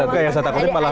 kayak saya takutin malam